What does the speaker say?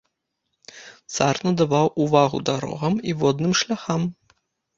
Цар надаваў увагу дарогам і водным шляхам.